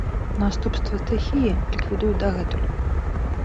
Наступствы стыхіі ліквідуюць дагэтуль.